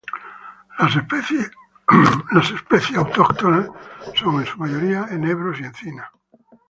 Las especies autóctonas son en su mayoría enebros y encinas.